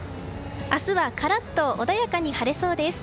明日はカラッと穏やかに晴れそうです。